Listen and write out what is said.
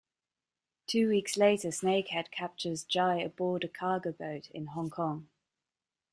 Two weeks later Snakehead captures Jai aboard a cargo boat in Hong Kong.